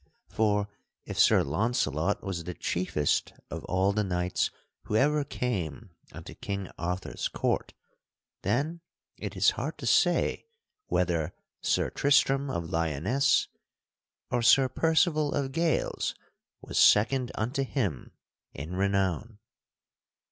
For, if Sir Launcelot was the chiefest of all the knights who ever came unto King Arthur's court, then it is hard to say whether Sir Tristram of Lyonesse or Sir Percival of Gales was second unto him in renown_.